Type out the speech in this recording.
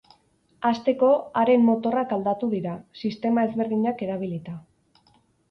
Hasteko, haren motorrak aldatu dira, sistema ezberdinak erabilita.